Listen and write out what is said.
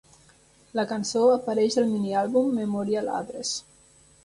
La cançó apareix al miniàlbum "Memorial Address".